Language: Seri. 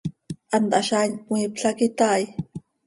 ¿Hant hazaain cmiipla quih itaai?